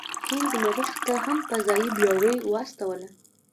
هند مریخ ته هم فضايي بیړۍ واستوله.